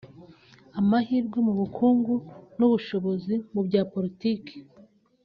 amahirwe mu bukungu n’ubushobozi mu bya politiki